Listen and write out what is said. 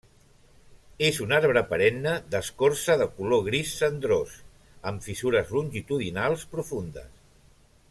És un arbre perenne, d'escorça de color gris cendrós amb fissures longitudinals profundes.